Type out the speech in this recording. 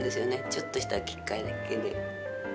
ちょっとしたきっかけで。